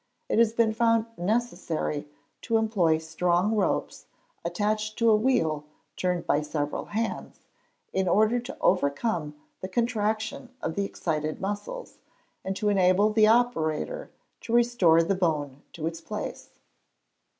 56) it has been found necessary to employ strong ropes, attached to a wheel turned by several hands, in order to overcome the contraction of the excited muscles, and to enable the operator to restore the bone to its place.